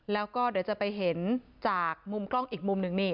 แล้วก็เดี๋ยวจะไปเห็นจากมุมกล้องอีกมุมหนึ่งนี่